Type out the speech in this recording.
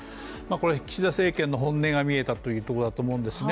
岸田政権の本音が見えたというところだと思うんですね。